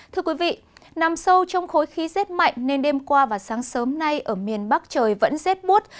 thưa quý vị nằm sâu trong khối khí rét mạnh nên đêm qua và sáng sớm nay ở miền bắc trời vẫn rét bút